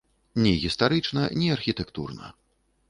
Ні гістарычна, ні архітэктурна.